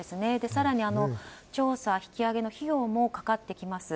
更に、調査引き揚げの費用もかかってきます。